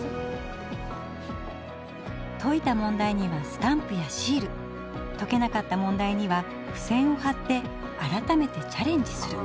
解いた問題にはスタンプやシール解けなかった問題にはふせんをはって改めてチャレンジする。